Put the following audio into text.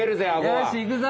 よしいくぞ！